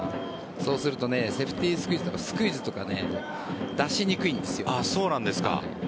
そうするとセーフティースクイズとかスクイズとか出しにくいんですよ。